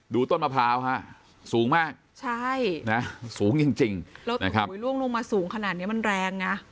ต้นมะพร้าวฮะสูงมากใช่นะสูงจริงแล้วล่วงลงมาสูงขนาดนี้มันแรงนะ